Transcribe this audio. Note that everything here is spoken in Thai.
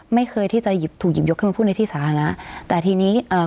ไม่เคยที่จะหยิบถูกหยิบยกขึ้นมาพูดในที่สาธารณะแต่ทีนี้เอ่อ